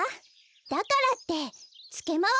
だからってつけまわすのは！